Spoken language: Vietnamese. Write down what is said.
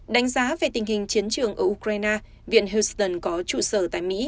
đánh giá về tình hình chiến trường ở ukraine viện houston có trụ sở tại mỹ